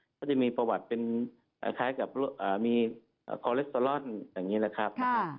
เขาจะมีประวัติเป็นคล้ายกับมีคอเลสเตอรอนอย่างนี้แหละครับ